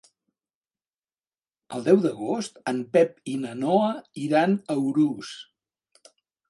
El deu d'agost en Pep i na Noa iran a Urús.